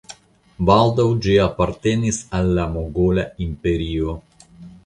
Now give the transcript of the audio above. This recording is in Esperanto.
Baldaŭ ĝi apartenis al la Mogola Imperio.